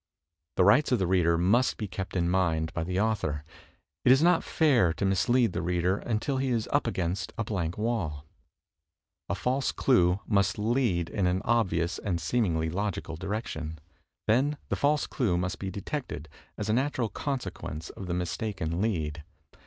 The rights of the reader must be kept in mind by the author. It is not fair to mislead the reader imtil he is up against a blank wall. A false clue must lead in an obvious and seemingly logical direction. Then the false clue must be detected, as a natural consequence of the mistaken lead.